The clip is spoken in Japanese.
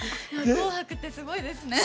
「紅白」ってすごいですね。